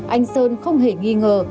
anh sơn không hề nghi ngờ